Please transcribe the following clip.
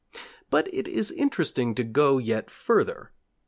But it is interesting to go yet further.